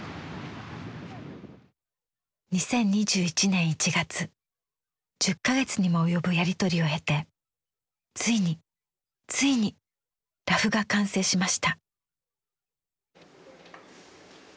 ２０２１年１月１０か月にも及ぶやり取りを経てついについにラフが完成しました。